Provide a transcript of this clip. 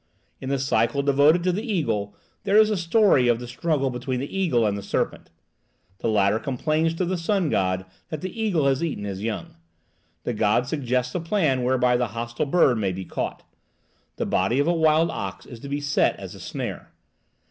In the cycle devoted to the eagle there is a story of the struggle between the eagle and the serpent. The latter complains to the sun god that the eagle has eaten his young. The god suggests a plan whereby the hostile bird may be caught: the body of a wild ox is to be set as a snare.